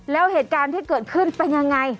แล้วเหตุการณ์ที่เกิดขึ้นเป็นยังไง